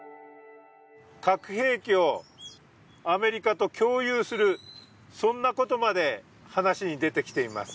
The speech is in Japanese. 核兵器をアメリカと共有するそんなことまで話に出てきています。